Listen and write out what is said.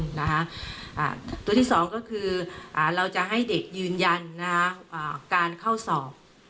ส่วนข้อสอบ๒ถือที่สองคือเราจะให้เจเปถยืนยันการเข้าสอบ